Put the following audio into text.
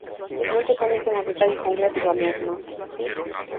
Non se coñecen os detalles concretos da mesma.